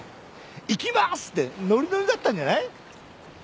「行きます！」ってノリノリだったじゃない？